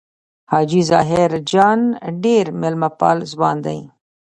حاجي ظاهر جان ډېر مېلمه پال ځوان دی.